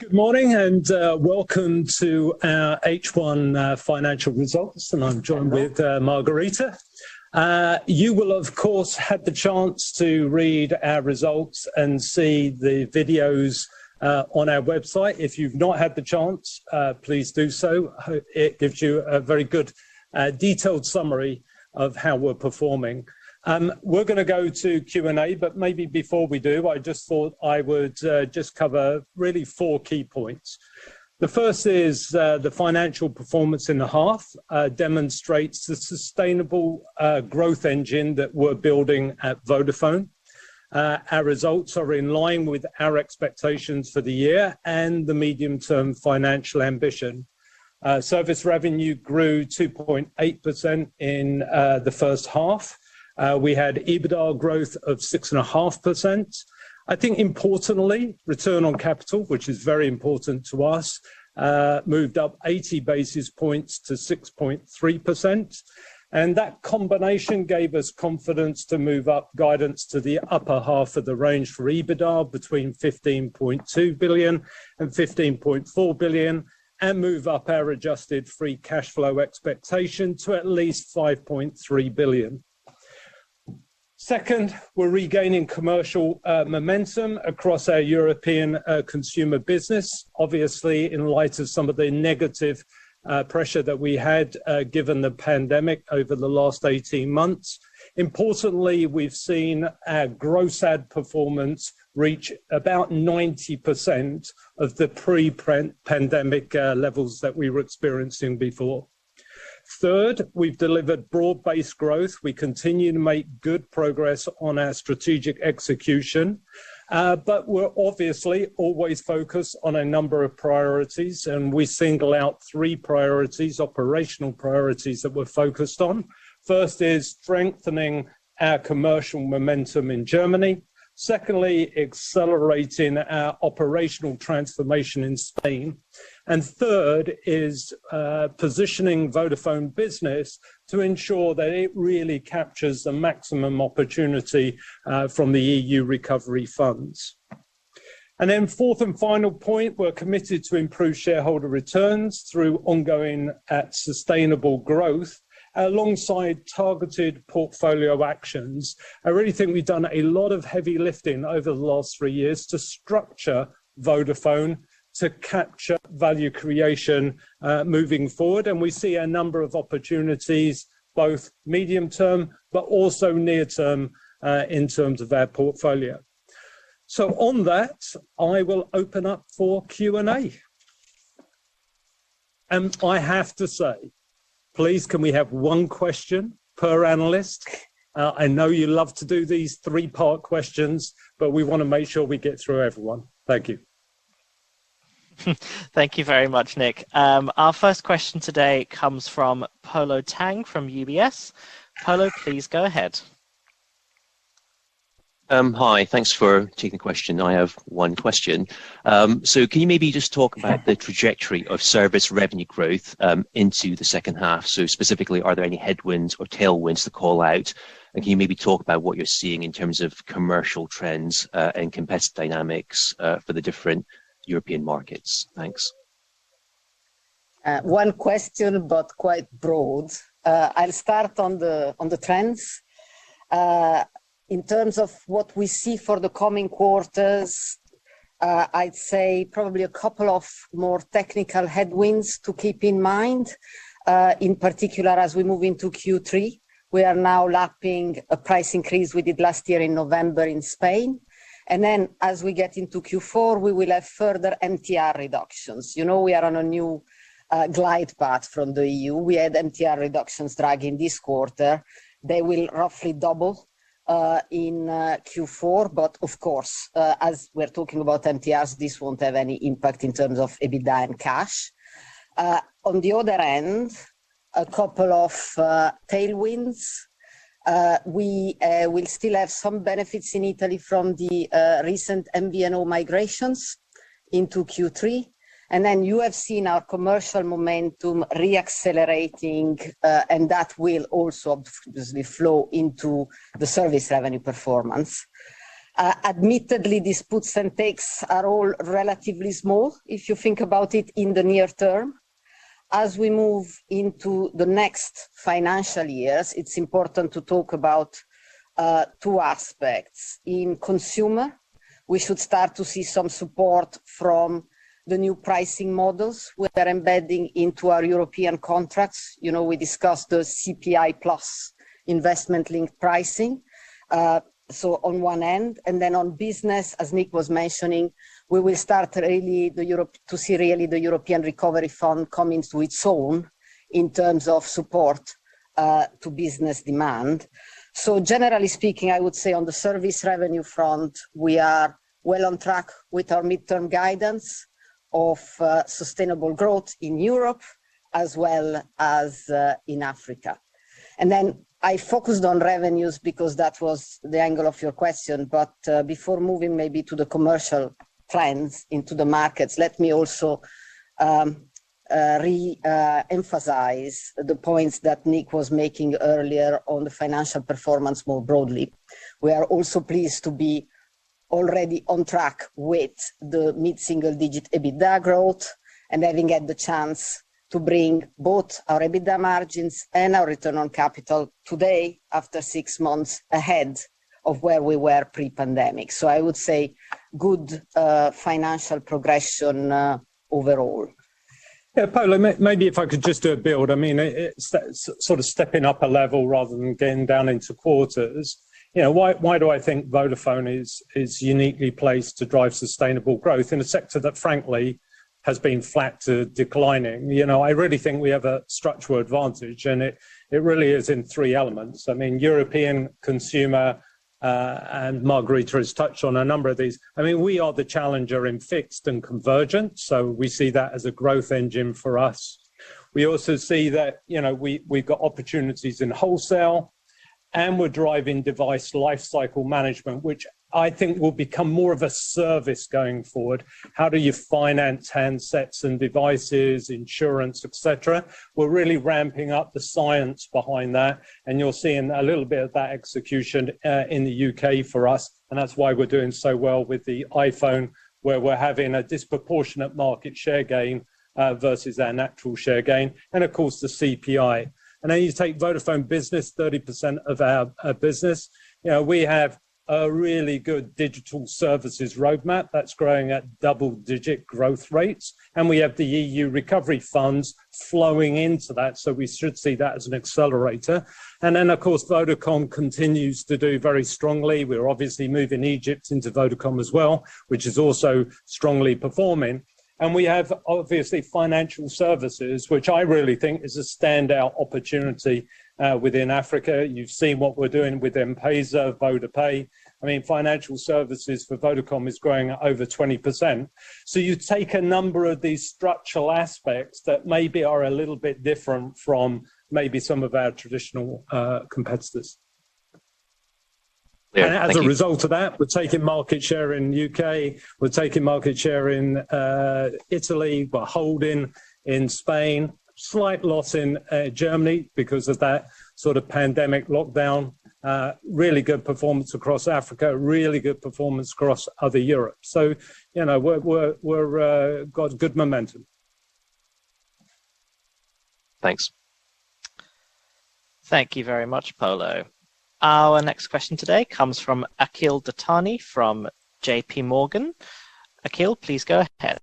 Good morning, welcome to our H1 financial results. I'm joined with Margherita. You will, of course, had the chance to read our results and see the videos on our website. If you've not had the chance, please do so. Hope it gives you a very good detailed summary of how we're performing. We're gonna go to Q&A. Maybe before we do, I just thought I would just cover really four key points. The first is the financial performance in the half demonstrates the sustainable growth engine that we're building at Vodafone. Our results are in line with our expectations for the year and the medium-term financial ambition. Service revenue grew 2.8% in the first half. We had EBITDA growth of 6.5%. I think importantly, return on capital, which is very important to us, moved up 80 basis points to 6.3%. That combination gave us confidence to move up guidance to the upper half of the range for EBITDA between 15.2 billion and 15.4 billion and move up our adjusted free cash flow expectation to at least 5.3 billion. Second, we're regaining commercial momentum across our European consumer business, obviously in light of some of the negative pressure that we had given the pandemic over the last 18 months. Importantly, we've seen our gross ad performance reach about 90% of the pre-pan-pandemic levels that we were experiencing before. Third, we've delivered broad-based growth. We continue to make good progress on our strategic execution. We're obviously always focused on a number of priorities, and we single out three priorities, operational priorities that we're focused on. First is strengthening our commercial momentum in Germany. Secondly, accelerating our operational transformation in Spain. Third is positioning Vodafone Business to ensure that it really captures the maximum opportunity from the EU recovery funds. Then fourth and final point, we're committed to improve shareholder returns through ongoing and sustainable growth alongside targeted portfolio actions. I really think we've done a lot of heavy lifting over the last three years to structure Vodafone to capture value creation moving forward. We see a number of opportunities, both medium-term, but also near-term, in terms of our portfolio. On that, I will open up for Q&A. I have to say, please, can we have one question per analyst? I know you love to do these three-part questions, but we wanna make sure we get through everyone. Thank you. Thank you very much, Nick. Our first question today comes from Polo Tang from UBS. Polo, please go ahead. Hi. Thanks for taking the question. I have one question. Can you maybe just talk about the trajectory of service revenue growth into the second half? Specifically, are there any headwinds or tailwinds to call out? Can you maybe talk about what you're seeing in terms of commercial trends and competitive dynamics for the different European markets? Thanks. One question, but quite broad. I'll start on the trends. In terms of what we see for the coming quarters, I'd say probably a couple of more technical headwinds to keep in mind. In particular, as we move into Q3, we are now lapping a price increase we did last year in November in Spain. As we get into Q4, we will have further MTR reductions. You know, we are on a new glide path from the EU. We had MTR reductions drag in this quarter. They will roughly double in Q4, but of course, as we're talking about MTRs, this won't have any impact in terms of EBITDA and cash. On the other end, a couple of tailwinds. We will still have some benefits in Italy from the recent MVNO migrations into Q3, and then you have seen our commercial momentum re-accelerating, and that will also obviously flow into the service revenue performance. Admittedly, these puts and takes are all relatively small if you think about it in the near term. As we move into the next financial years, it's important to talk about two aspects. In consumer, we should start to see some support from the new pricing models we are embedding into our European contracts. You know, we discussed those CPI plus investment-linked pricing, so on one end. Then on business, as Nick was mentioning, we will start to see really the European recovery fund come into its own in terms of support to business demand. Generally speaking, I would say on the service revenue front, we are well on track with our midterm guidance of sustainable growth in Europe as well as in Africa. Then I focused on revenues because that was the angle of your question. Before moving maybe to the commercial trends into the markets, let me also emphasize the points that Nick was making earlier on the financial performance more broadly. We are also pleased to be already on track with the mid-single-digit EBITDA growth and having had the chance to bring both our EBITDA margins and our return on capital today after six months ahead of where we were pre-pandemic. I would say good financial progression overall. Yeah, Polo, maybe if I could just build. I mean, it's sort of stepping up a level rather than getting down into quarters. You know, why do I think Vodafone is uniquely placed to drive sustainable growth in a sector that frankly has been flat to declining? You know, I really think we have a structural advantage, and it really is in three elements. I mean, European consumer, and Margherita has touched on a number of these. I mean, we are the challenger in fixed and convergence, so we see that as a growth engine for us. We also see that, you know, we've got opportunities in wholesale, and we're driving device lifecycle management, which I think will become more of a service going forward. How do you finance handsets and devices, insurance, et cetera? We're really ramping up the science behind that, and you're seeing a little bit of that execution in the U.K. for us, and that's why we're doing so well with the iPhone, where we're having a disproportionate market share gain versus their natural share gain and of course the CPI. You take Vodafone Business, 30% of our business. You know, we have a really good digital services roadmap that's growing at double-digit growth rates, and we have the EU recovery funds flowing into that, so we should see that as an accelerator. Of course, Vodacom continues to do very strongly. We're obviously moving Egypt into Vodacom as well, which is also strongly performing. We have obviously financial services, which I really think is a standout opportunity within Africa. You've seen what we're doing with M-PESA, VodaPay. I mean, financial services for Vodacom is growing at over 20%. You take a number of these structural aspects that maybe are a little bit different from maybe some of our traditional competitors. Yeah. Thank you. As a result of that, we're taking market share in U.K., we're taking market share in Italy, we're holding in Spain. Slight loss in Germany because of that sort of pandemic lockdown. Really good performance across Africa, really good performance across other Europe. You know, we're got good momentum. Thanks. Thank you very much, Polo. Our next question today comes from Akhil Dattani from J.P. Morgan. Akhil, please go ahead.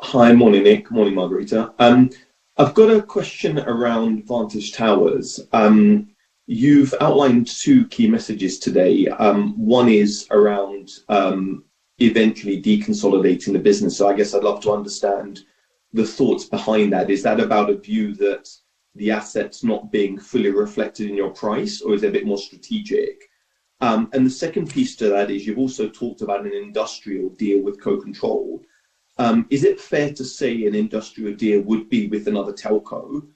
Hi. Morning, Nick. Morning, Margherita. I've got a question around Vantage Towers. You've outlined two key messages today. One is around eventually deconsolidating the business. I guess I'd love to understand the thoughts behind that. Is that about a view that the asset's not being fully reflected in your price or is it a bit more strategic? The second piece to that is you've also talked about an industrial deal with co-control. Is it fair to say an industrial deal would be with another telco?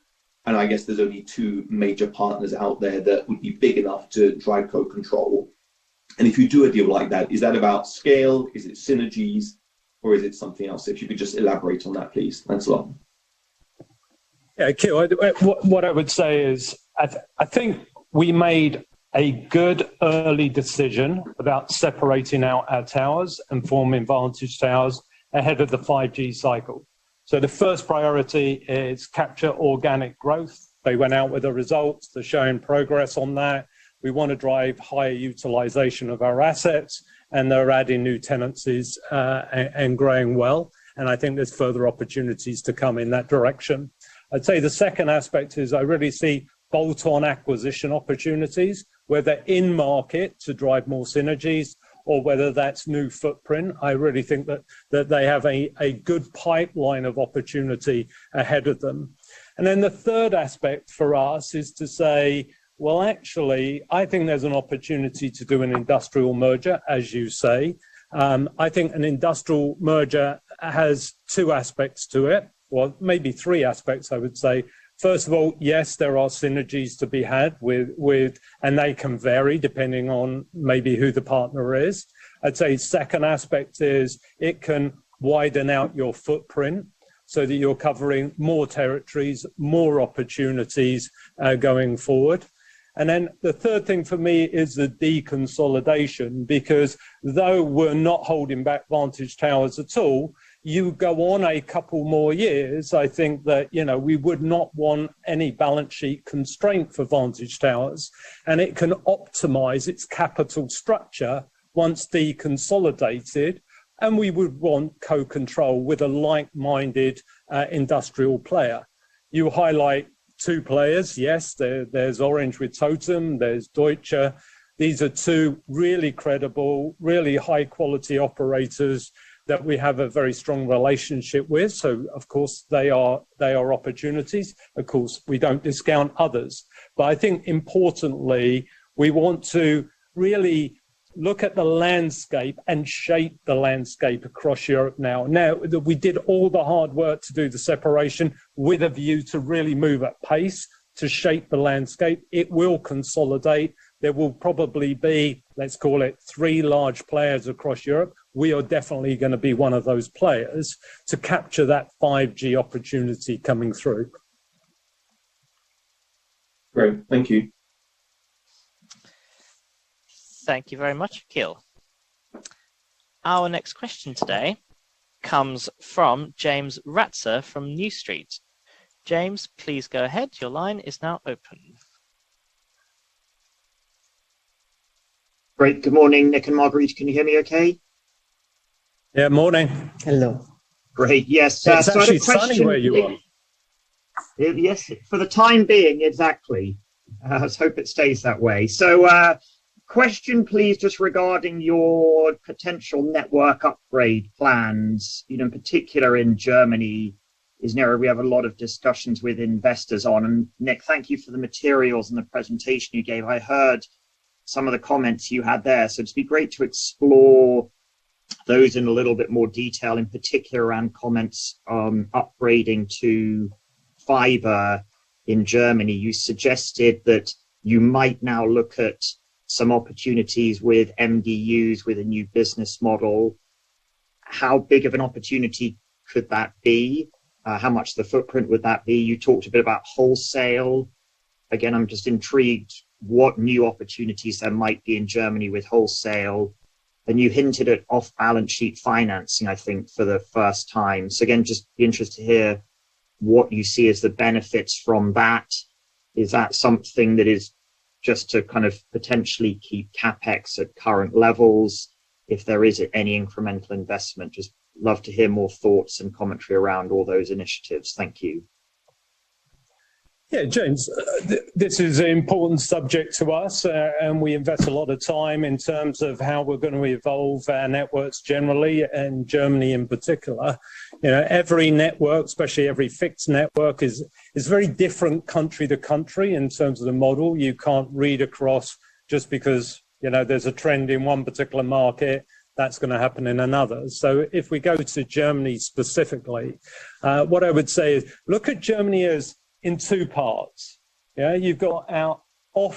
I guess there's only two major partners out there that would be big enough to drive co-control. If you do a deal like that, is that about scale? Is it synergies or is it something else? If you could just elaborate on that, please. Thanks a lot. Yeah. Akhil, what I would say is I think we made a good early decision about separating out our towers and forming Vantage Towers ahead of the 5G cycle. The first priority is capture organic growth. They went out with the results. They're showing progress on that. We wanna drive higher utilization of our assets, and they're adding new tenancies and growing well, and I think there's further opportunities to come in that direction. I'd say the second aspect is I really see bolt-on acquisition opportunities, whether in-market to drive more synergies or whether that's new footprint. I really think that they have a good pipeline of opportunity ahead of them. The third aspect for us is to say, well, actually, I think there's an opportunity to do an industrial merger, as you say. I think an industrial merger has two aspects to it, or maybe three aspects, I would say. First of all, yes, there are synergies to be had with. They can vary depending on maybe who the partner is. I'd say second aspect is it can widen out your footprint so that you're covering more territories, more opportunities, going forward. The third thing for me is the deconsolidation because though we're not holding back Vantage Towers at all, you go on a couple more years, I think that, you know, we would not want any balance sheet constraint for Vantage Towers, and it can optimize its capital structure once deconsolidated, and we would want co-control with a like-minded, industrial player. You highlight two players. Yes, there's Orange with TOTEM, there's Deutsche Telekom. These are two really credible, really high-quality operators that we have a very strong relationship with. Of course they are opportunities. Of course, we don't discount others. I think importantly, we want to really look at the landscape and shape the landscape across Europe now. Now, we did all the hard work to do the separation with a view to really move at pace to shape the landscape. It will consolidate. There will probably be, let's call it three large players across Europe. We are definitely gonna be one of those players to capture that 5G opportunity coming through. Great. Thank you. Thank you very much, Akhil. Our next question today comes from James Ratzer from New Street Research. James, please go ahead. Your line is now open. Great. Good morning, Nick and Margherita. Can you hear me okay? Yeah. Morning. Hello. Great. Yes. It's actually sunny where you are. Yes, for the time being, exactly. Let's hope it stays that way. Question please just regarding your potential network upgrade plans, you know, particularly in Germany, is an area we have a lot of discussions with investors on. Nick, thank you for the materials and the presentation you gave. I heard some of the comments you had there, so it'd be great to explore those in a little bit more detail, in particular around comments on upgrading to fiber in Germany. You suggested that you might now look at some opportunities with MDUs with a new business model. How big of an opportunity could that be? How much of the footprint would that be? You talked a bit about wholesale. Again, I'm just intrigued what new opportunities there might be in Germany with wholesale. You hinted at off-balance sheet financing, I think for the first time. Again, I'd be interested to hear what you see as the benefits from that. Is that something that is just to kind of potentially keep CapEx at current levels if there is any incremental investment? I'd love to hear more thoughts and commentary around all those initiatives. Thank you. Yeah, James, this is an important subject to us, and we invest a lot of time in terms of how we're gonna evolve our networks generally and Germany in particular. You know, every network, especially every fixed network is very different country to country in terms of the model. You can't read across just because, you know, there's a trend in one particular market that's gonna happen in another. If we go to Germany specifically, what I would say is look at Germany as in two parts. Yeah. You've got our own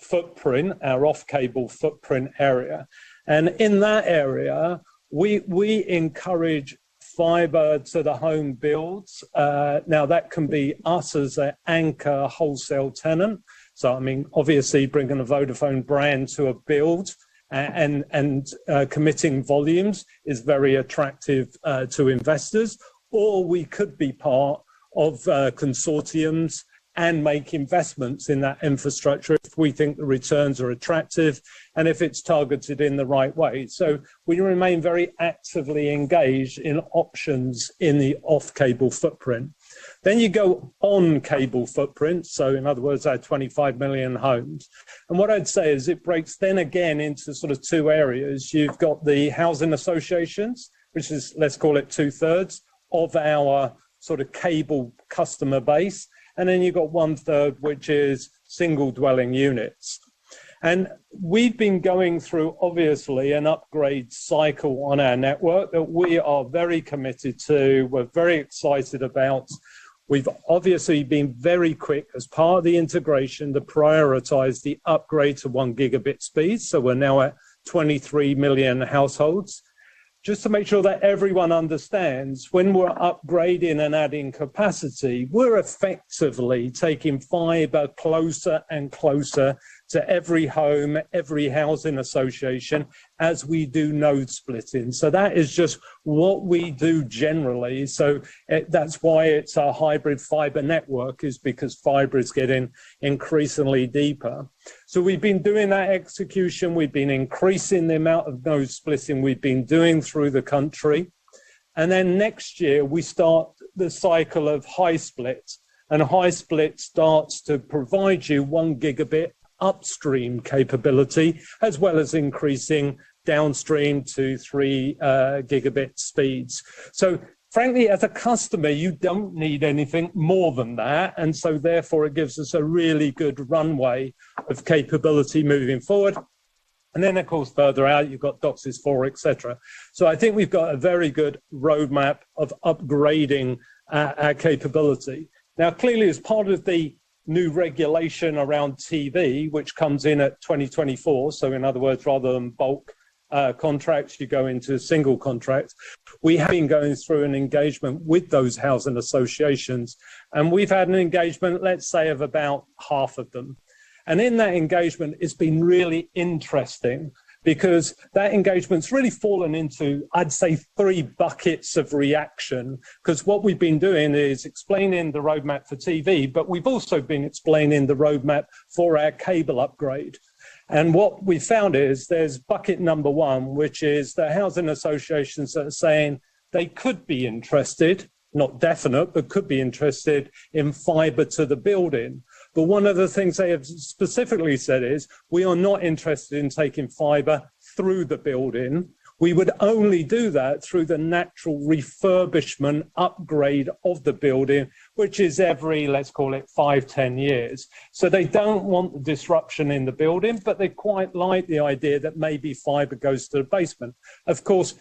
footprint, our own cable footprint area, and in that area we encourage fiber to the home builds. Now that can be us as an anchor wholesale tenant. I mean, obviously bringing a Vodafone brand to a build and committing volumes is very attractive to investors or we could be part of consortiums and make investments in that infrastructure if we think the returns are attractive and if it's targeted in the right way. We remain very actively engaged in options in the off cable footprint. You go on cable footprint. In other words, our 25 million homes. What I'd say is it breaks then again into sort of two areas. You've got the housing associations, which is, let's call it two-thirds of our sort of cable customer base. Then you've got one-third, which is single dwelling units. We've been going through, obviously, an upgrade cycle on our network that we are very committed to. We're very excited about. We've obviously been very quick as part of the integration to prioritize the upgrade to one gigabit speed. We're now at 23 million households. Just to make sure that everyone understands, when we're upgrading and adding capacity, we're effectively taking fiber closer and closer to every home, every housing association as we do node splitting. That is just what we do generally. That's why it's our hybrid fiber network, is because fiber is getting increasingly deeper. We've been doing that execution. We've been increasing the amount of node splitting we've been doing through the country. Then next year we start the cycle of high-split. High-split starts to provide you one gigabit upstream capability as well as increasing downstream to three gigabit speeds. Frankly, as a customer, you don't need anything more than that. Therefore it gives us a really good runway of capability moving forward. Of course, further out you've got DOCSIS 4.0, et cetera. I think we've got a very good roadmap of upgrading our capability. Now clearly as part of the new regulation around TV, which comes in at 2024. In other words, rather than bulk contracts, you go into single contracts. We have been going through an engagement with those housing associations, and we've had an engagement, let's say, of about half of them. In that engagement it's been really interesting because that engagement's really fallen into, I'd say, three buckets of reaction. 'Cause what we've been doing is explaining the roadmap for TV, but we've also been explaining the roadmap for our cable upgrade. What we found is there's bucket number one, which is the housing associations that are saying they could be interested, not definite, but could be interested in fiber to the building. One of the things they have specifically said is, "We are not interested in taking fiber through the building. We would only do that through the natural refurbishment upgrade of the building," which is every, let's call it five, ten years. They don't want the disruption in the building, but they quite like the idea that maybe fiber goes to the basement. Of course,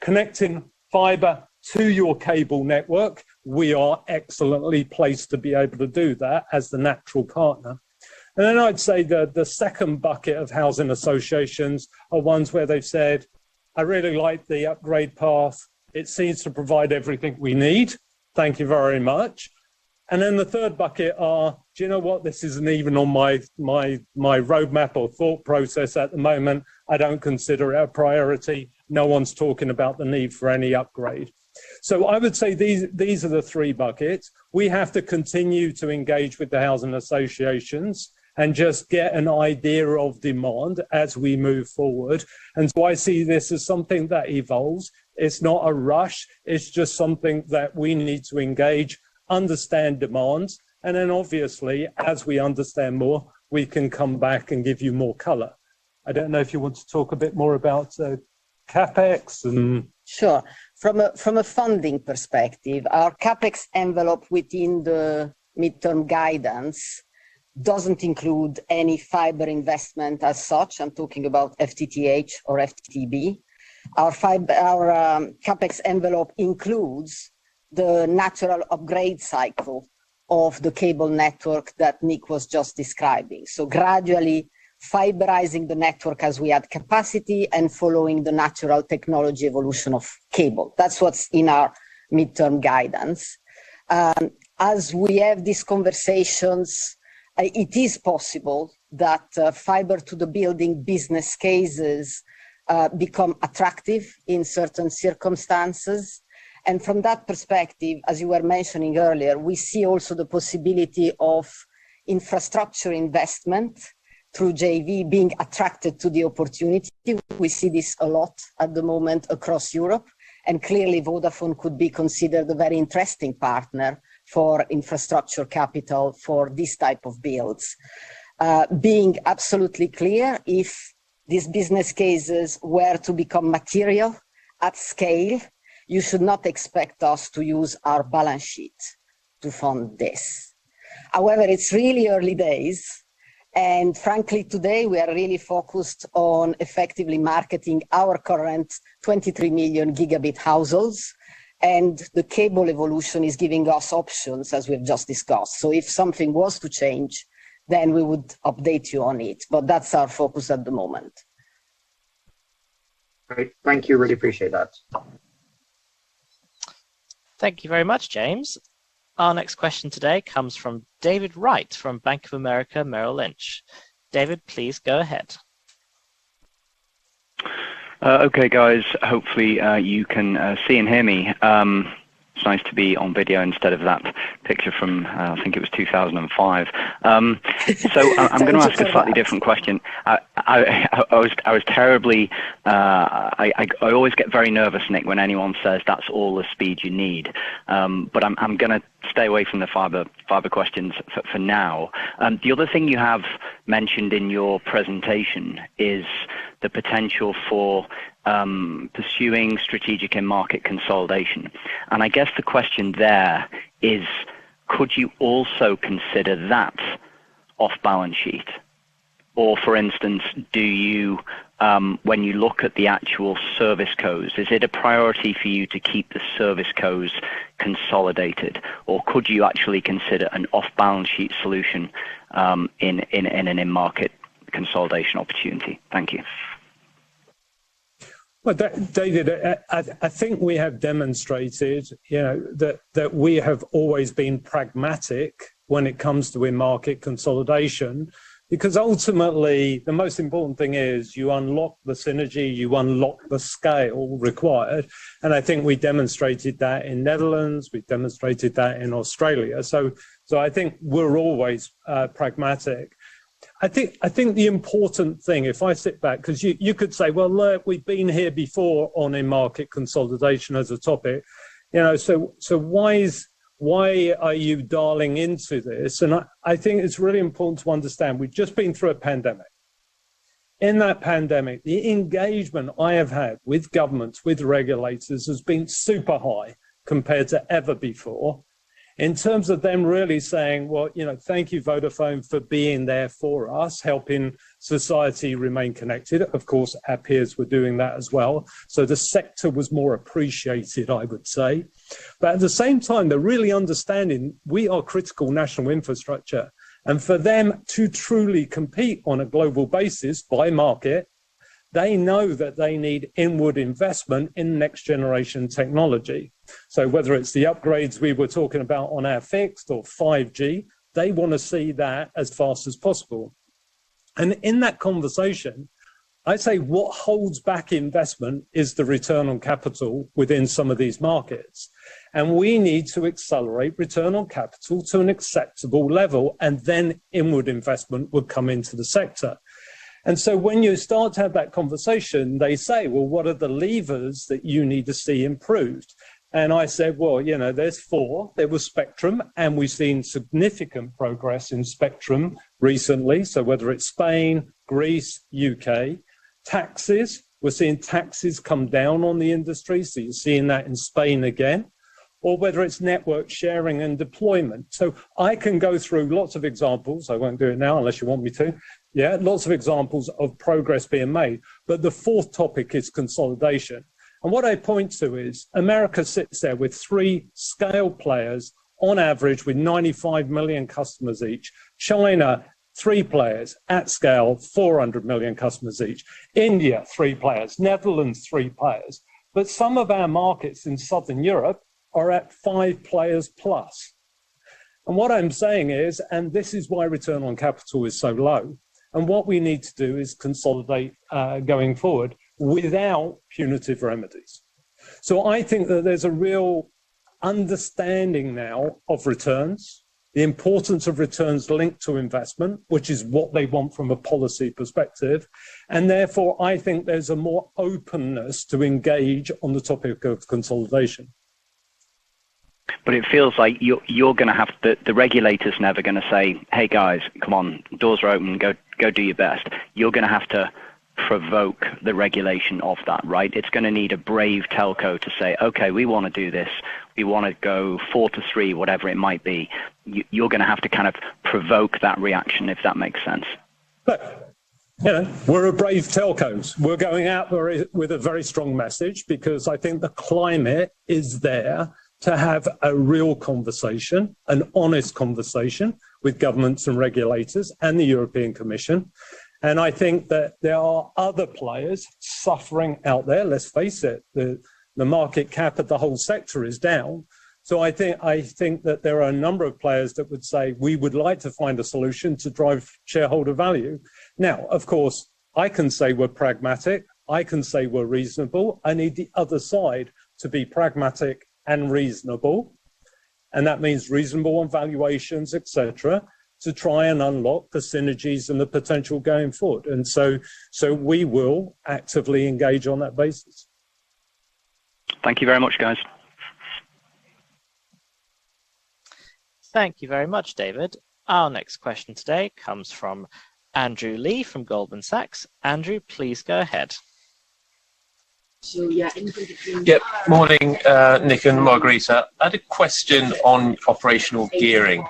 connecting fiber to your cable network, we are excellently placed to be able to do that as the natural partner. Then I'd say the second bucket of housing associations are ones where they've said, "I really like the upgrade path. It seems to provide everything we need. Thank you very much. Then the third bucket are, "Do you know what? This isn't even on my roadmap or thought process at the moment. I don't consider it a priority. No one's talking about the need for any upgrade." I would say these are the three buckets. We have to continue to engage with the housing associations and just get an idea of demand as we move forward. I see this as something that evolves. It's not a rush. It's just something that we need to engage, understand demands, and then obviously, as we understand more, we can come back and give you more color. I don't know if you want to talk a bit more about CapEx and Sure. From a funding perspective, our CapEx envelope within the midterm guidance doesn't include any fiber investment as such. I'm talking about FTTH or FTTB. Our CapEx envelope includes the natural upgrade cycle of the cable network that Nick was just describing. Gradually fiberizing the network as we add capacity and following the natural technology evolution of cable. That's what's in our midterm guidance. As we have these conversations, it is possible that fiber to the building business cases become attractive in certain circumstances. From that perspective, as you were mentioning earlier, we see also the possibility of infrastructure investment through JV being attracted to the opportunity. We see this a lot at the moment across Europe, and clearly Vodafone could be considered a very interesting partner for infrastructure capital for these type of builds. Being absolutely clear, if these business cases were to become material at scale, you should not expect us to use our balance sheet to fund this. However, it's really early days, and frankly, today, we are really focused on effectively marketing our current 23 million gigabit households, and the cable evolution is giving us options as we've just discussed. If something was to change, then we would update you on it, but that's our focus at the moment. Great. Thank you. Really appreciate that. Thank you very much, James. Our next question today comes from David Wright from Bank of America Merrill Lynch. David, please go ahead. Okay, guys. Hopefully, you can see and hear me. It's nice to be on video instead of that picture from, I think it was 2005. I'm- That was a while ago. I'm gonna ask a slightly different question. I always get very nervous, Nick, when anyone says that's all the speed you need. But I'm gonna stay away from the fiber questions for now. The other thing you have mentioned in your presentation is the potential for pursuing strategic and market consolidation. I guess the question there is, could you also consider that off-balance sheet? Or for instance, do you when you look at the actual service revenues, is it a priority for you to keep the service revenues consolidated? Or could you actually consider an off-balance sheet solution in an in-market consolidation opportunity? Thank you. Well, David, I think we have demonstrated, you know, that we have always been pragmatic when it comes to in-market consolidation. Because ultimately, the most important thing is you unlock the synergy, you unlock the scale required, and I think we demonstrated that in Netherlands, we have demonstrated that in Australia. I think we are always pragmatic. I think the important thing, if I sit back, because you could say, "Well, look, we have been here before on in-market consolidation as a topic. You know, why is—why are you dialing into this?" I think it is really important to understand, we have just been through a pandemic. In that pandemic, the engagement I have had with governments, with regulators has been super high compared to ever before. In terms of them really saying, "Well, you know, thank you, Vodafone, for being there for us, helping society remain connected." Of course, our peers were doing that as well. The sector was more appreciated, I would say. At the same time, they're really understanding we are critical national infrastructure. For them to truly compete on a global basis by market, they know that they need inward investment in next generation technology. Whether it's the upgrades we were talking about on our fixed or 5G, they wanna see that as fast as possible. In that conversation, I'd say what holds back investment is the return on capital within some of these markets. We need to accelerate return on capital to an acceptable level, and then inward investment would come into the sector. When you start to have that conversation, they say, "Well, what are the levers that you need to see improved?" I said, "Well, you know, there's 4." There was spectrum, and we've seen significant progress in spectrum recently. Whether it's Spain, Greece, U.K. Taxes, we're seeing taxes come down on the industry, so you're seeing that in Spain again. Whether it's network sharing and deployment. I can go through lots of examples. I won't do it now unless you want me to. Yeah, lots of examples of progress being made. The fourth topic is consolidation. What I point to is, America sits there with three scale players on average with 95 million customers each. China. Three players at scale, 400 million customers each. India, three players. Netherlands, three players. Some of our markets in Southern Europe are at 5 players plus. What I'm saying is, this is why return on capital is so low, and what we need to do is consolidate going forward without punitive remedies. I think that there's a real understanding now of returns, the importance of returns linked to investment, which is what they want from a policy perspective. Therefore, I think there's a more openness to engage on the topic of consolidation. It feels like you're gonna have the regulators never gonna say, "Hey, guys, come on. Doors are open. Go do your best." You're gonna have to provoke the regulation of that, right? It's gonna need a brave telco to say, "Okay, we wanna do this. We wanna go four to three," whatever it might be. You're gonna have to kind of provoke that reaction, if that makes sense. Look, you know, we're brave telcos. We're going out with a very strong message because I think the climate is there to have a real conversation, an honest conversation with governments and regulators and the European Commission. I think that there are other players suffering out there. Let's face it, the market cap of the whole sector is down. I think that there are a number of players that would say, "We would like to find a solution to drive shareholder value." Now, of course, I can say we're pragmatic, I can say we're reasonable. I need the other side to be pragmatic and reasonable, and that means reasonable on valuations, et cetera, to try and unlock the synergies and the potential going forward. We will actively engage on that basis. Thank you very much, guys. Thank you very much, David. Our next question today comes from Andrew Lee from Goldman Sachs. Andrew, please go ahead. Yeah, in between- Yep. Morning, Nick and Margherita. I had a question on operational gearing.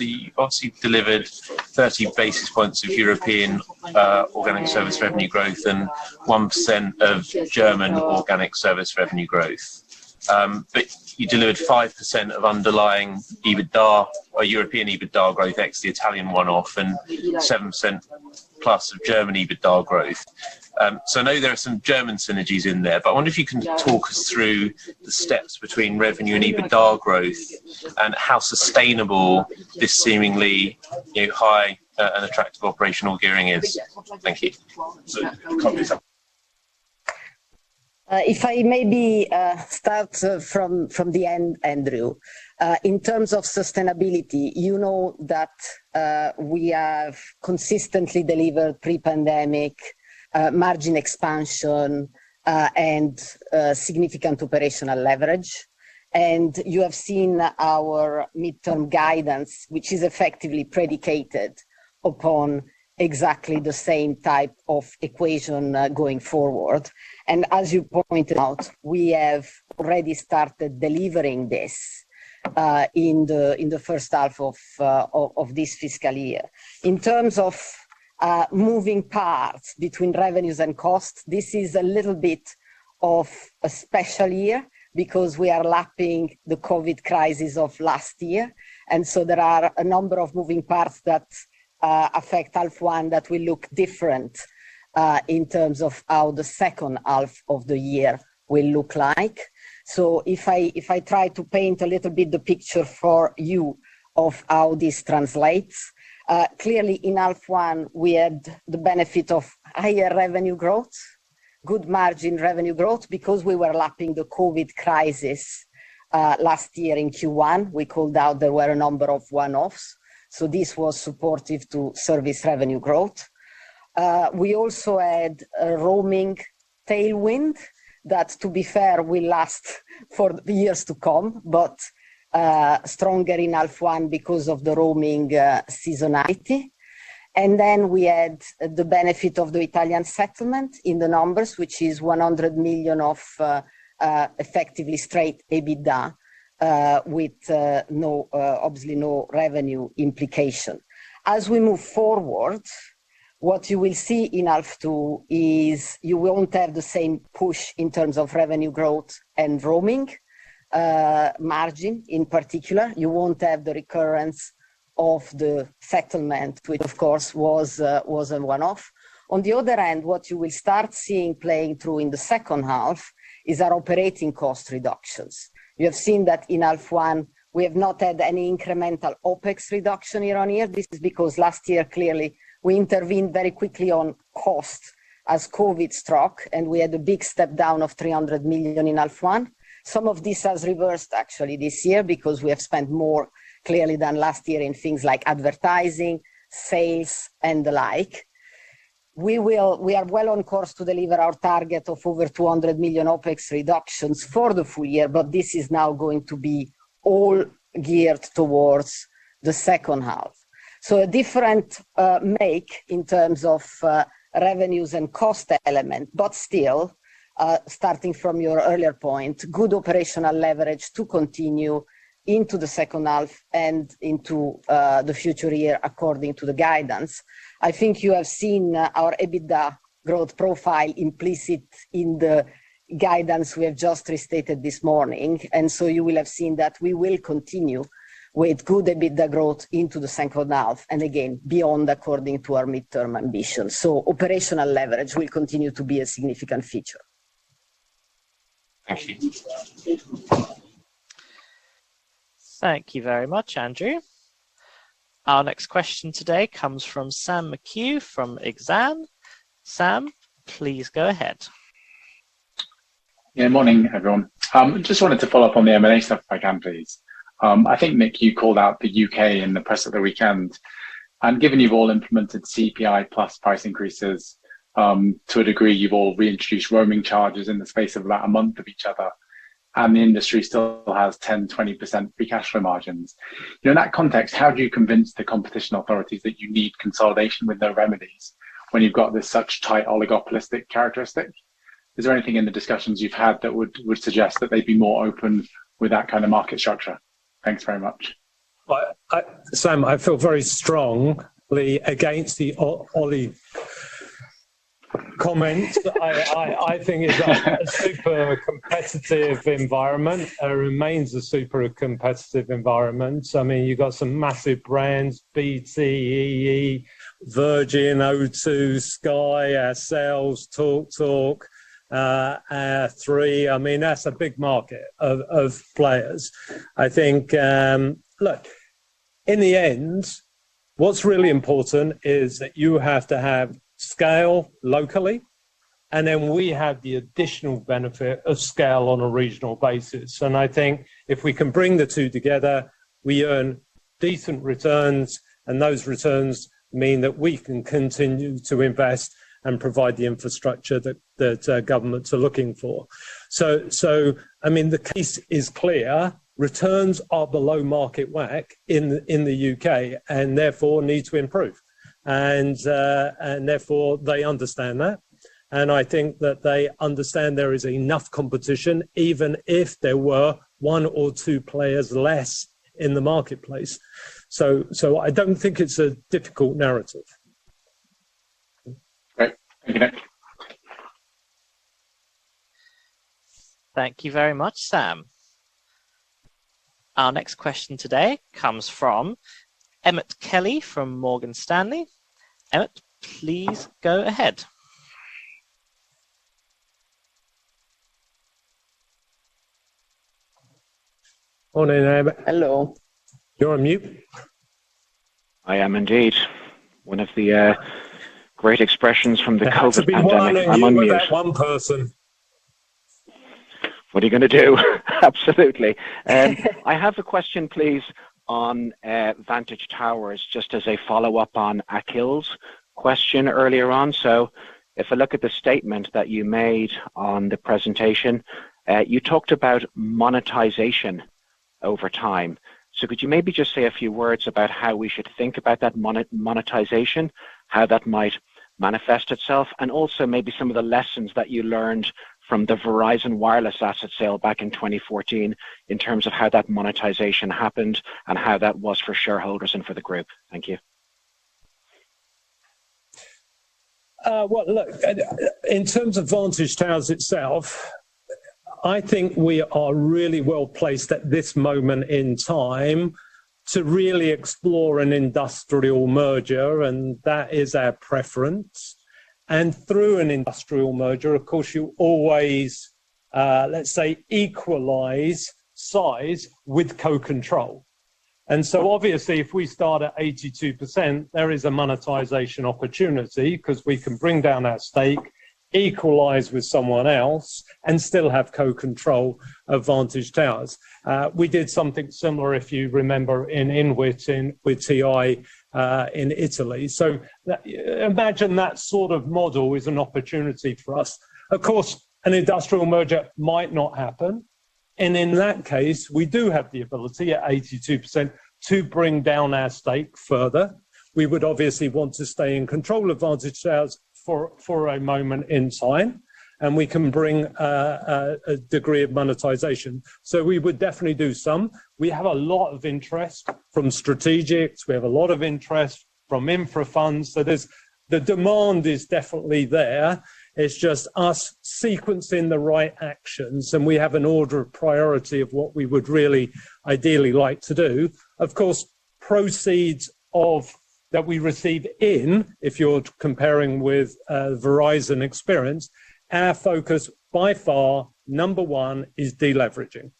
You obviously delivered 30 basis points of European organic service revenue growth and 1% of German organic service revenue growth. You delivered 5% of underlying European EBITDA growth, ex the Italian one-off, and 7%+ of German EBITDA growth. I know there are some German synergies in there. I wonder if you can talk us through the steps between revenue and EBITDA growth and how sustainable this seemingly, you know, high and attractive operational gearing is. Thank you. Copy some. If I maybe start from the end, Andrew. In terms of sustainability, you know that we have consistently delivered pre-pandemic margin expansion and significant operational leverage. You have seen our midterm guidance, which is effectively predicated upon exactly the same type of equation going forward. As you pointed out, we have already started delivering this in the first half of this fiscal year. In terms of moving parts between revenues and costs, this is a little bit of a special year because we are lapping the COVID crisis of last year. There are a number of moving parts that affect half one that will look different in terms of how the second half of the year will look like. If I try to paint a little bit the picture for you of how this translates, clearly in half one, we had the benefit of higher revenue growth, good margin revenue growth because we were lapping the COVID crisis last year in Q1. We called out there were a number of one-offs, so this was supportive to service revenue growth. We also had a roaming tailwind that, to be fair, will last for years to come, but stronger in half one because of the roaming seasonality. We had the benefit of the Italian settlement in the numbers, which is 100 million of effectively straight EBITDA, with no, obviously no revenue implication. As we move forward, what you will see in half two is you won't have the same push in terms of revenue growth and roaming margin in particular. You won't have the recurrence of the settlement, which of course was a one-off. On the other hand, what you will start seeing playing through in the second half is our operating cost reductions. We have seen that in half one; we have not had any incremental OpEx reduction year-on-year. This is because last year, clearly, we intervened very quickly on cost as COVID struck, and we had a big step down of 300 million in half one. Some of this has reversed actually this year because we have spent more clearly than last year in things like advertising, sales and the like. We are well on course to deliver our target of over 200 million OpEx reductions for the full year, but this is now going to be all geared towards the second half. A different make in terms of revenues and cost element, but still starting from your earlier point, good operational leverage to continue into the second half and into the future year according to the guidance. I think you have seen our EBITDA growth profile implicit in the guidance we have just restated this morning. You will have seen that we will continue with good EBITDA growth into the second half and again, beyond, according to our midterm ambition. Operational leverage will continue to be a significant feature. Thank you. Thank you very much, Andrew. Our next question today comes from Sam McHugh from Exane BNP Paribas. Sam, please go ahead. Yeah, morning, everyone. Just wanted to follow up on the M&A stuff, if I can, please. I think, Nick, you called out the U.K. in the press over the weekend, and given you've all implemented CPI plus price increases, to a degree, you've all reintroduced roaming charges in the space of about a month of each other, and the industry still has 10%-20% free cash flow margins. You know, in that context, how do you convince the competition authorities that you need consolidation with no remedies when you've got this such tight oligopolistic characteristic? Is there anything in the discussions you've had that would suggest that they'd be more open with that kind of market structure? Thanks very much. Well, Sam, I feel very strongly against the oligopoly comment. I think it's a super competitive environment. It remains a super competitive environment. I mean, you've got some massive brands, BT, EE, Virgin, O2, Sky, Vodafone, TalkTalk, Three. I mean, that's a big market of players. I think, look, in the end, what's really important is that you have to have scale locally, and then we have the additional benefit of scale on a regional basis. I think if we can bring the two together, we earn decent returns, and those returns mean that we can continue to invest and provide the infrastructure that governments are looking for. I mean, the case is clear. Returns are below market WACC in the U.K. and therefore need to improve, and therefore they understand that. I think that they understand there is enough competition, even if there were one or two players less in the marketplace. I don't think it's a difficult narrative. Great. Thank you. Thank you very much, Sam. Our next question today comes from Emmet Kelly from Morgan Stanley. Emmet, please go ahead. Morning, Emmet. Hello. You're on mute. I am indeed. One of the great expressions from the COVID pandemic. It has to be you were that one person. I'm on mute. What are you gonna do? Absolutely. I have a question, please, on Vantage Towers, just as a follow-up on Akhil's question earlier on. If I look at the statement that you made on the presentation, you talked about monetization over time. Could you maybe just say a few words about how we should think about that monetization, how that might manifest itself, and also maybe some of the lessons that you learned from the Verizon Wireless asset sale back in 2014 in terms of how that monetization happened and how that was for shareholders and for the group? Thank you. Well, look, in terms of Vantage Towers itself, I think we are really well placed at this moment in time to really explore an industrial merger, and that is our preference. Through an industrial merger, of course, you always, let's say equalize size with co-control. Obviously, if we start at 82%, there is a monetization opportunity because we can bring down our stake, equalize with someone else, and still have co-control of Vantage Towers. We did something similar, if you remember, with INWIT in Italy. Imagine that sort of model is an opportunity for us. Of course, an industrial merger might not happen, and in that case, we do have the ability at 82% to bring down our stake further. We would obviously want to stay in control of Vantage Towers for a moment in time, and we can bring a degree of monetization. We would definitely do some. We have a lot of interest from strategics. We have a lot of interest from infra funds. There's the demand is definitely there. It's just us sequencing the right actions, and we have an order of priority of what we would really ideally like to do. Of course, proceeds of that we receive in, if you're comparing with a Verizon experience, our focus by far, number one is deleveraging.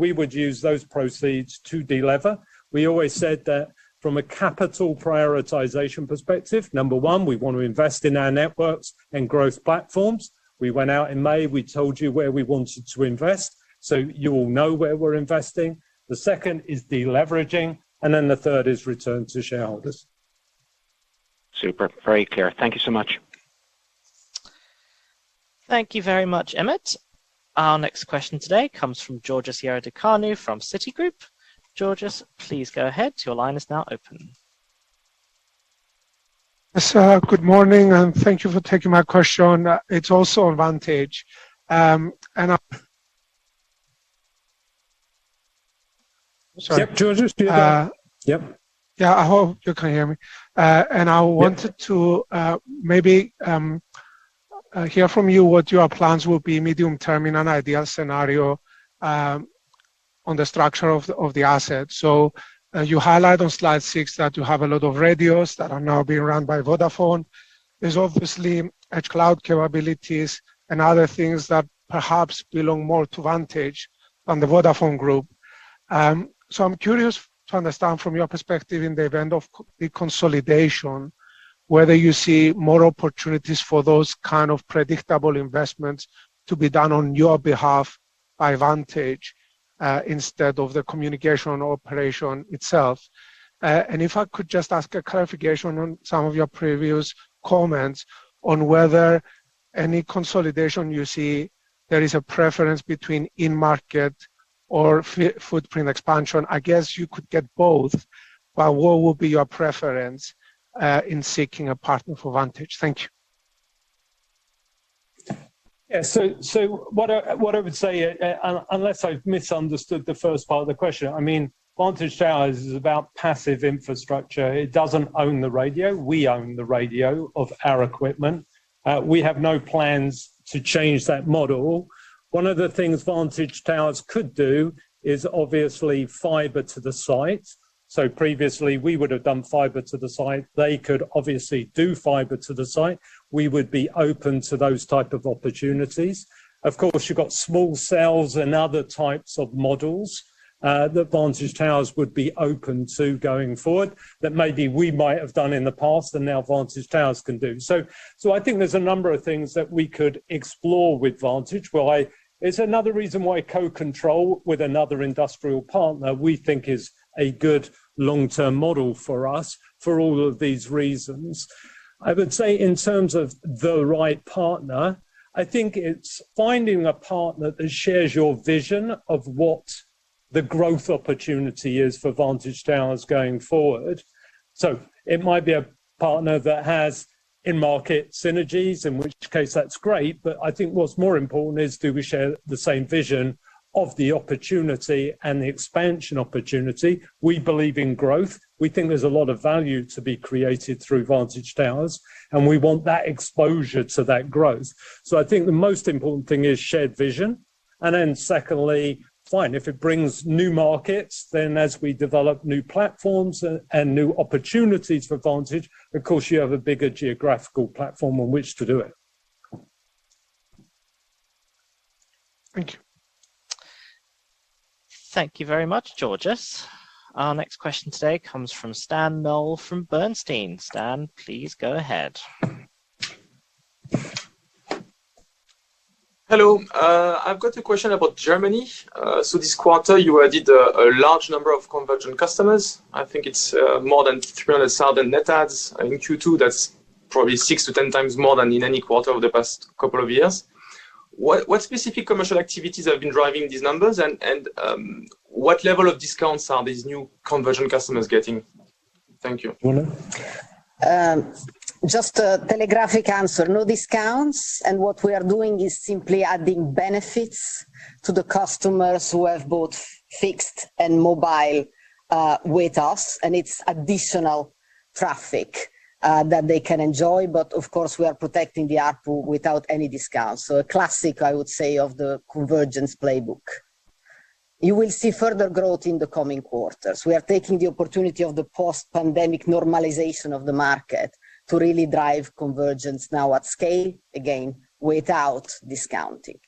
We would use those proceeds to delever. We always said that from a capital prioritization perspective, number one, we wanna invest in our networks and growth platforms. We went out in May, we told you where we wanted to invest, so you all know where we're investing. The second is deleveraging, and then the third is return to shareholders. Super. Very clear. Thank you so much. Thank you very much, Emmet. Our next question today comes from Georgios Ierodiaconou from Citigroup. Georgios, please go ahead. Your line is now open. Yes, good morning, and thank you for taking my question. It's also Vantage. I- Sorry. Yep. Georgios, do you have the- Uh- Yep. Yeah, I hope you can hear me. Yep. I wanted to maybe hear from you what your plans will be medium term in an ideal scenario on the structure of the asset. You highlight on slide six that you have a lot of radios that are now being run by Vodafone. There's obviously edge cloud capabilities and other things that perhaps belong more to Vantage than the Vodafone Group. I'm curious to understand from your perspective in the event of the consolidation, whether you see more opportunities for those kind of predictable investments to be done on your behalf by Vantage instead of the communications operation itself. If I could just ask a clarification on some of your previous comments on whether any consolidation you see there is a preference between in-market or footprint expansion. I guess you could get both, but what would be your preference in seeking a partner for Vantage? Thank you. Yeah. What I would say, unless I've misunderstood the first part of the question, I mean, Vantage Towers is about passive infrastructure. It doesn't own the radio. We own the radio of our equipment. We have no plans to change that model. One of the things Vantage Towers could do is obviously fiber to the site. Previously, we would have done fiber to the site. They could obviously do fiber to the site. We would be open to those type of opportunities. Of course, you've got small cells and other types of models that Vantage Towers would be open to going forward that maybe we might have done in the past and now Vantage Towers can do. I think there's a number of things that we could explore with Vantage. It's another reason why co-control with another industrial partner we think is a good long-term model for us for all of these reasons. I would say in terms of the right partner, I think it's finding a partner that shares your vision of what the growth opportunity is for Vantage Towers going forward. It might be a partner that has in-market synergies, in which case that's great. I think what's more important is do we share the same vision of the opportunity and the expansion opportunity? We believe in growth. We think there's a lot of value to be created through Vantage Towers, and we want that exposure to that growth. I think the most important thing is shared vision. Secondly, fine, if it brings new markets, then as we develop new platforms and new opportunities for Vantage, of course, you have a bigger geographical platform on which to do it. Thank you. Thank you very much, Georgios. Our next question today comes from Stan Noel from Bernstein. Stan, please go ahead. Hello. I've got a question about Germany. So this quarter, you added a large number of conversion customers. I think it's more than 300,000 net adds in Q2. That's probably 6-10 times more than in any quarter over the past couple of years. What specific commercial activities have been driving these numbers? What level of discounts are these new conversion customers getting? Thank you. Margherita? Just a telegraphic answer. No discounts, and what we are doing is simply adding benefits to the customers who have both fixed and mobile with us, and it's additional traffic that they can enjoy. Of course, we are protecting the ARPU without any discounts. A classic, I would say, of the convergence playbook. You will see further growth in the coming quarters. We are taking the opportunity of the post-pandemic normalization of the market to really drive convergence now at scale, again, without discounting.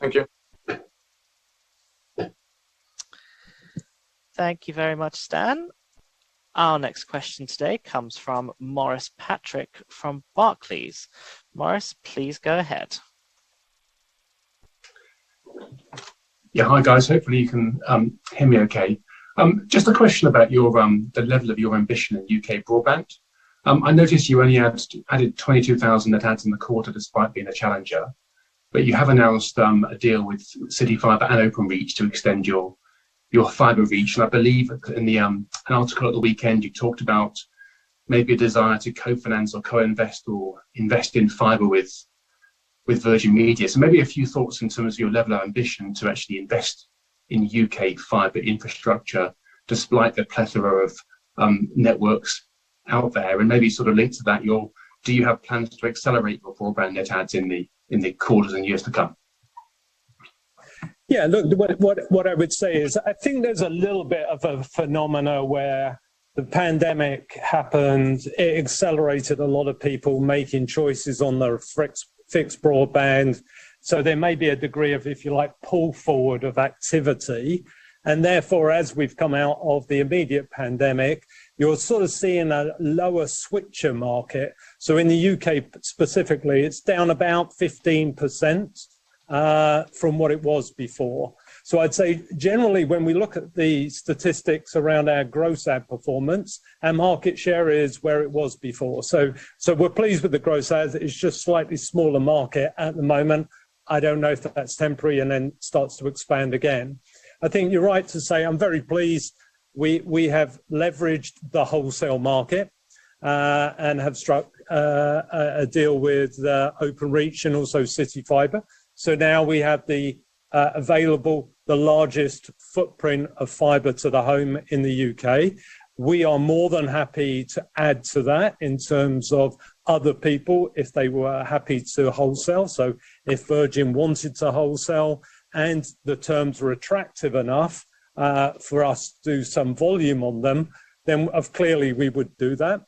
Thank you. Thank you very much, Stan. Our next question today comes from Maurice Patrick from Barclays. Maurice, please go ahead. Yeah. Hi, guys. Hopefully, you can hear me okay. Just a question about the level of your ambition in U.K. broadband. I noticed you only had added 22,000 net adds in the quarter despite being a challenger, but you have announced a deal with CityFibre and Openreach to extend your fiber reach. I believe in an article at the weekend, you talked about maybe a desire to co-finance or co-invest or invest in fiber with Virgin Media. Maybe a few thoughts in terms of your level of ambition to actually invest in U.K. fiber infrastructure despite the plethora of networks out there, and maybe sort of linked to that, do you have plans to accelerate your broadband net adds in the quarters and years to come? Yeah, look, what I would say is, I think there's a little bit of a phenomenon where the pandemic happened, it accelerated a lot of people making choices on their fixed broadband. There may be a degree of, if you like, pull forward of activity. Therefore, as we've come out of the immediate pandemic, you're sort of seeing a lower switcher market. In the U.K. specifically, it's down about 15% from what it was before. I'd say generally, when we look at the statistics around our gross add performance, our market share is where it was before. We're pleased with the gross adds. It's just slightly smaller market at the moment. I don't know if that's temporary and then starts to expand again. I think you're right to say I'm very pleased we have leveraged the wholesale market and have struck a deal with Openreach and also CityFibre. Now we have the largest footprint of fiber to the home in the U.K. We are more than happy to add to that in terms of other people if they were happy to wholesale. If Virgin wanted to wholesale and the terms were attractive enough for us to do some volume on them, then, of course, we would do that.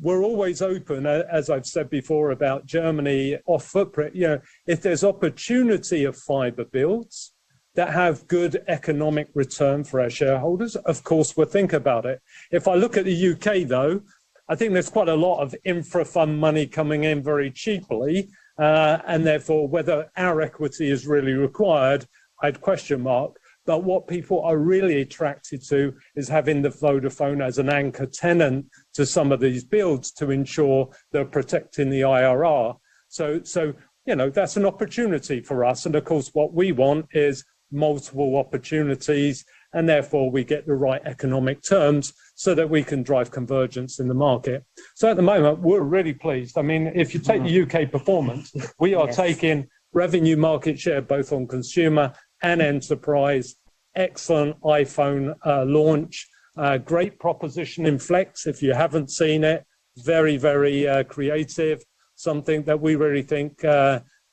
We're always open. As I've said before about Germany, our footprint, you know, if there's opportunity for fiber builds that have good economic return for our shareholders, of course, we'll think about it. If I look at the U.K., though, I think there's quite a lot of infra fund money coming in very cheaply, and therefore whether our equity is really required, I'd question mark. What people are really attracted to is having the Vodafone as an anchor tenant to some of these builds to ensure they're protecting the IRR. You know, that's an opportunity for us. Of course, what we want is multiple opportunities and therefore we get the right economic terms so that we can drive convergence in the market. At the moment, we're really pleased. I mean, if you take the U.K. performance, we are taking revenue market share both on consumer and enterprise. Excellent iPhone launch, great proposition in Flex, if you haven't seen it. Very creative. Something that we really think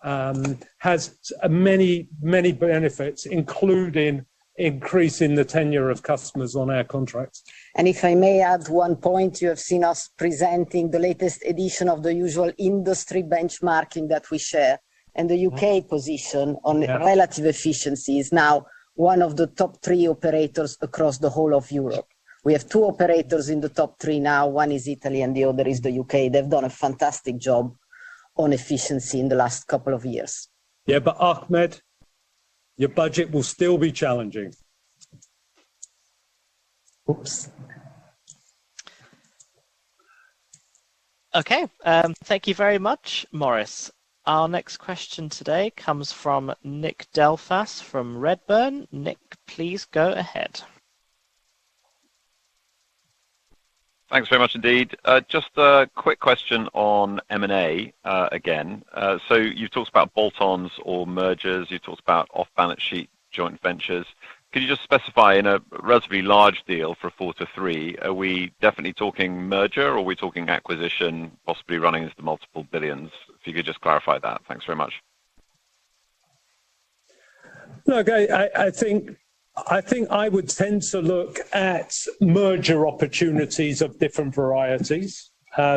has many benefits, including increasing the tenure of customers on our contracts. If I may add one point, you have seen us presenting the latest edition of the usual industry benchmarking that we share, and the U.K. position. Yeah. Our relative efficiency is now one of the top three operators across the whole of Europe. We have two operators in the top three now. One is Italy and the other is the U.K. They've done a fantastic job on efficiency in the last couple of years. Yeah. Maurice, your budget will still be challenging. Oops. Okay. Thank you very much, Maurice. Our next question today comes from Nick Delfas from Redburn. Nick, please go ahead. Thanks very much indeed. Just a quick question on M&A, again, so you've talked about bolt-ons or mergers, you've talked about off-balance-sheet joint ventures. Could you just specify in a relatively large deal for 4 to 3, are we definitely talking merger or are we talking acquisition, possibly running into EUR multiple billions? If you could just clarify that. Thanks very much. Look, I think I would tend to look at merger opportunities of different varieties,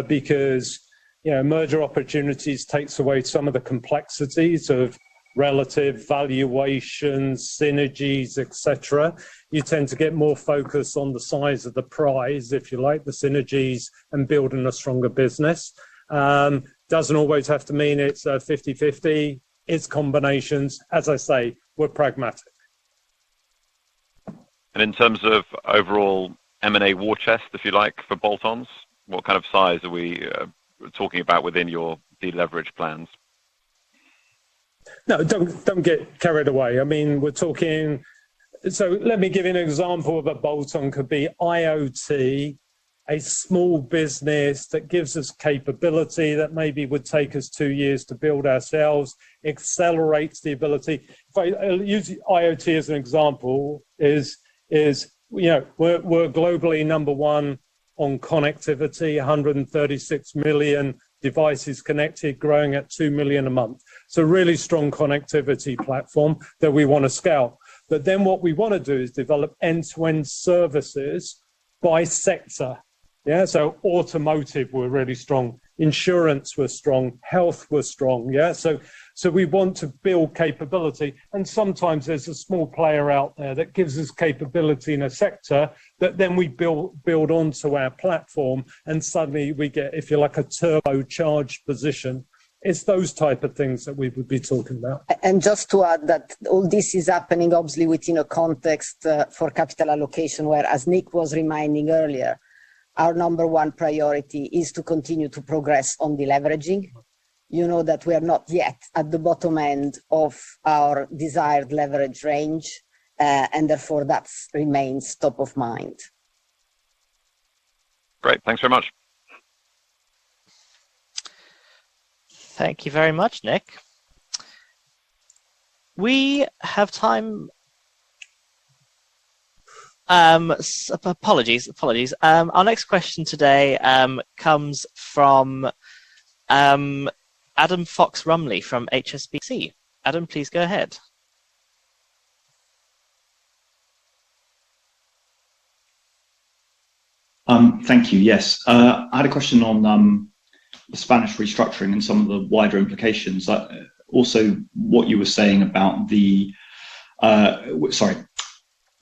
because, you know, merger opportunities takes away some of the complexities of relative valuations, synergies, et cetera. You tend to get more focus on the size of the prize, if you like, the synergies and building a stronger business. Doesn't always have to mean it's a 50/50. It's combinations. As I say, we're pragmatic. In terms of overall M&A war chest, if you like, for bolt-ons, what kind of size are we talking about within your deleverage plans? No. Don't get carried away. I mean, we're talking. Let me give you an example of a bolt-on could be IoT, a small business that gives us capability that maybe would take us 2 years to build ourselves, accelerates the ability. If I use IoT as an example, you know, we're globally number one on connectivity, 136 million devices connected, growing at 2 million a month. It's a really strong connectivity platform that we wanna scale. But then what we wanna do is develop end-to-end services by sector. Yeah. So we want to build capability, and sometimes there's a small player out there that gives us capability in a sector that then we build onto our platform and suddenly we get, if you like, a turbocharged position. It's those type of things that we would be talking about. Just to add that all this is happening obviously within a context for capital allocation, where, as Nick was reminding earlier, our number one priority is to continue to progress on deleveraging. You know that we are not yet at the bottom end of our desired leverage range, and therefore that remains top of mind. Great. Thanks very much. Thank you very much, Nick. We have time, apologies. Our next question today comes from Adam Fox-Rumley from HSBC. Adam, please go ahead. Thank you. Yes. I had a question on the Spanish restructuring and some of the wider implications.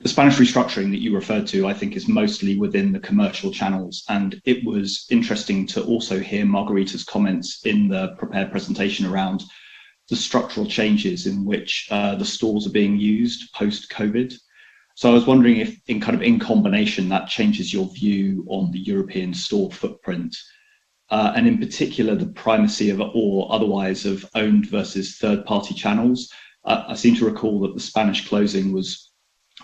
The Spanish restructuring that you referred to, I think is mostly within the commercial channels, and it was interesting to also hear Margherita's comments in the prepared presentation around the structural changes in which the stores are being used post-COVID. I was wondering if in kind of combination, that changes your view on the European store footprint, and in particular, the primacy of, or otherwise of owned versus third-party channels. I seem to recall that the Spanish closing was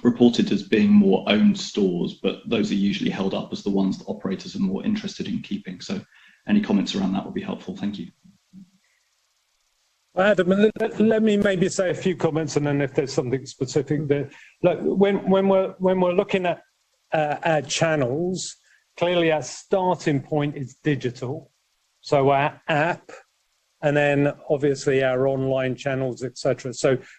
reported as being more owned stores, but those are usually held up as the ones the operators are more interested in keeping. Any comments around that would be helpful. Thank you. Adam, let me maybe say a few comments, and then if there's something specific there. Look, when we're looking at channels, clearly our starting point is digital. Our app and then obviously our online channels, et cetera.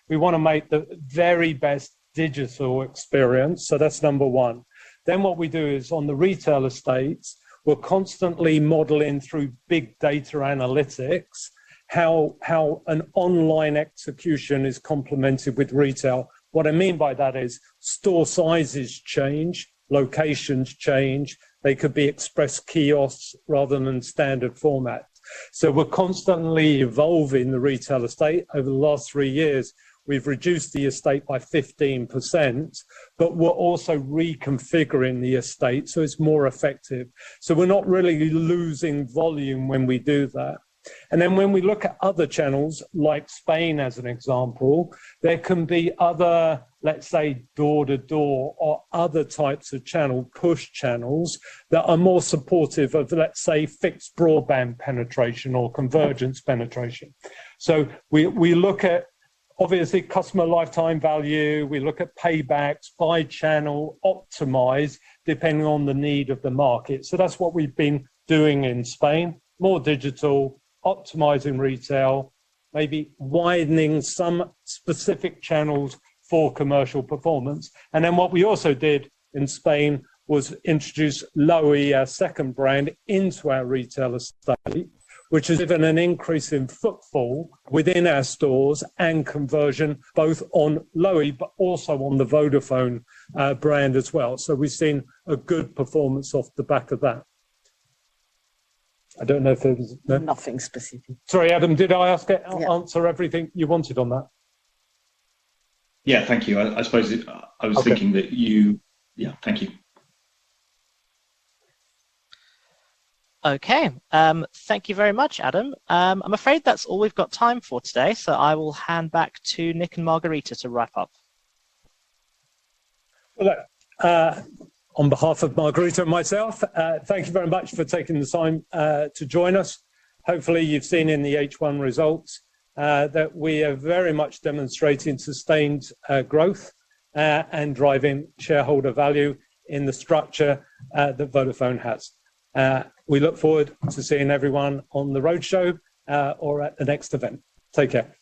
We wanna make the very best digital experience. That's number one. What we do is on the retail estates, we're constantly modeling through big data analytics how an online execution is complemented with retail. What I mean by that is store sizes change, locations change. They could be express kiosks rather than standard format. We're constantly evolving the retail estate. Over the last three years, we've reduced the estate by 15%, but we're also reconfiguring the estate so it's more effective. We're not really losing volume when we do that. When we look at other channels, like Spain as an example, there can be other, let's say, door-to-door or other types of channel, push channels that are more supportive of, let's say, fixed broadband penetration or convergence penetration. We look at, obviously, customer lifetime value. We look at paybacks by channel, optimize depending on the need of the market. That's what we've been doing in Spain, more digital, optimizing retail, maybe widening some specific channels for commercial performance. What we also did in Spain was introduce Lowi, our second brand, into our retail estate, which has given an increase in footfall within our stores and conversion both on Lowi but also on the Vodafone brand as well. We've seen a good performance off the back of that. I don't know if there was- Nothing specific. Sorry, Adam, did I ask it? No. Answer everything you wanted on that? Yeah. Thank you. I suppose it. Okay. Yeah. Thank you. Okay. Thank you very much, Adam. I'm afraid that's all we've got time for today, so I will hand back to Nick and Margherita to wrap up. Well, look, on behalf of Margherita and myself, thank you very much for taking the time to join us. Hopefully, you've seen in the H1 results that we are very much demonstrating sustained growth and driving shareholder value in the structure that Vodafone has. We look forward to seeing everyone on the roadshow or at the next event. Take care.